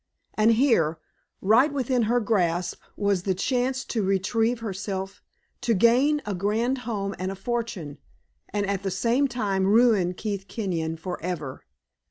And here, right within her grasp, was the chance to retrieve herself, to gain a grand home and a fortune, and at the same time ruin Keith Kenyon forever.